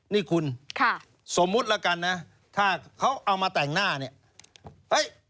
นี่คุณสมมุติแล้วกันนะถ้าเขาเอามาแต่งหน้าเนี่ย